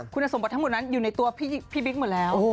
คุณสมบัติทั้งหมดนั้นอยู่ในตัวพี่บิ๊กหมดแล้ว